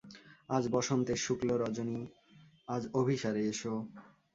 আজ বসন্তের শুক্ল রজনী, আজ অভিসারে এসো!